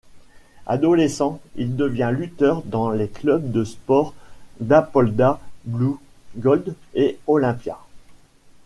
Adolescent, il devient lutteur dans les clubs de sport d'Apolda Blue Gold et Olympia.